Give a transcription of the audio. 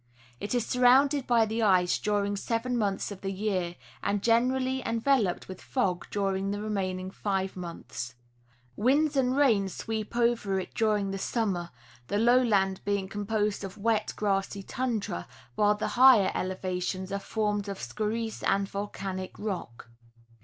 It is surrounded by the ice during seven months of the year, and generally envel oped with fog during the remaining five months. Winds and rains sweep over it during the summer, the low land being com posed of wet, grassy tundra, while the higher elevations are formed of scoriz and volcanic rock.